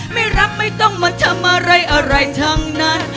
ไม่รับไม่ต้องมาทำอะไรอะไรทั้งนั้น